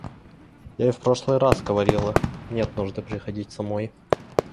Я и в прошлый раз говорила: нет нужды приходить самой.